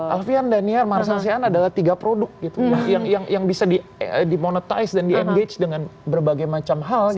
alfian daniar marsan sean adalah tiga produk gitu yang bisa di monetize dan di engage dengan berbagai macam hal gitu